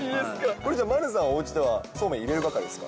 それじゃ丸さん、おうちではそうめん入れる係ですか？